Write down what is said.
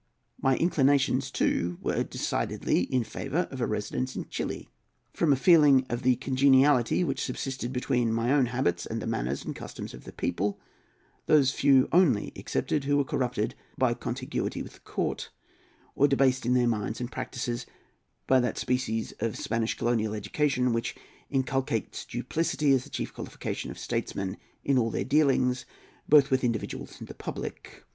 My inclinations, too, were decidedly in favour of a residence in Chili, from a feeling of the congeniality which subsisted between my own habits and the manners and customs of the people, those few only excepted who were corrupted by contiguity with the court, or debased in their minds and practices by that species of Spanish colonial education which inculcates duplicity as the chief qualification of statesmen in all their dealings, both with individuals and the public.